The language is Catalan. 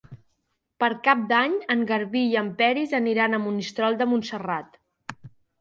Per Cap d'Any en Garbí i en Peris aniran a Monistrol de Montserrat.